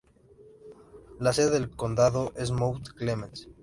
La sede del condado es Mount Clemens.